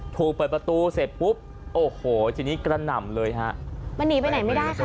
ถูกเปิดประตูเสร็จปุ๊บโอ้โหทีนี้กระหน่ำเลยฮะมันหนีไปไหนไม่ได้ค่ะ